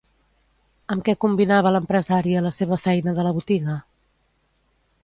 Amb què combinava l'empresària la seva feina de la botiga?